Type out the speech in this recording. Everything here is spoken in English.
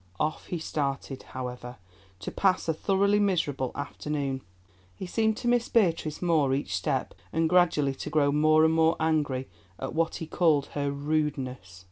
Off he started, however, to pass a thoroughly miserable afternoon. He seemed to miss Beatrice more each step and gradually to grow more and more angry at what he called her "rudeness."